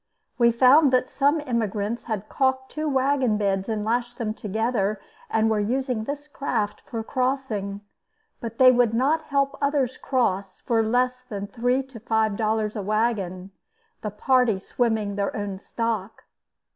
We found that some emigrants had calked two wagon beds and lashed them together, and were using this craft for crossing. But they would not help others across for less than three to five dollars a wagon, the party swimming their own stock.